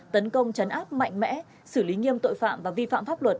tấn công chấn áp mạnh mẽ xử lý nghiêm tội phạm và vi phạm pháp luật